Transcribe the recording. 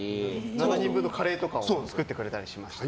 ７人分のカレーとかを作ってくれました。